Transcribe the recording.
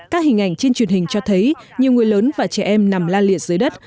các hình ảnh trên truyền hình cho thấy nhiều người lớn và trẻ em nằm la liệt dưới đất